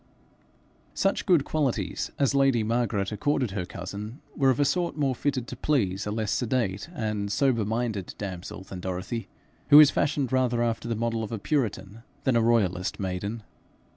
Such good qualities as lady Margaret accorded her cousin were of a sort more fitted to please a less sedate and sober minded damsel than Dorothy, who was fashioned rather after the model of a puritan than a royalist maiden.